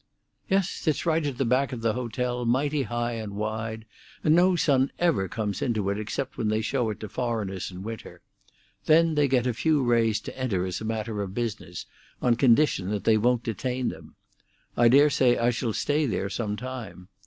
"Yes: it's at the back of the hotel, mighty high, and wide, and no sun ever comes into it except when they show it to foreigners in winter. Then they get a few rays to enter as a matter of business, on condition that they won't detain them. I dare say I shall stay there some time.